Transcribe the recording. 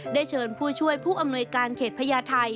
เชิญผู้ช่วยผู้อำนวยการเขตพญาไทย